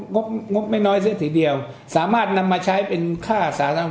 งบงบไม่น้อยซะทีเดียวสามารถนำมาใช้เป็นค่าสาธารณะ